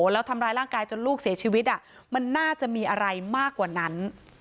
แล้วทำร้ายร่างกายจนลูกเสียชีวิตมันน่าจะมีอะไรมากกว่านั้น